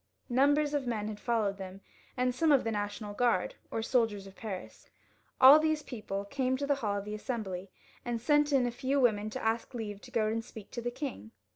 Numbers of men had followed them, and some of the National Guard, or the soldiers of Paris. All these people came to the hall of the Assembly, and sent in a few women to ask for leave to go and speak to the king.